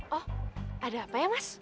oh ada apa ya mas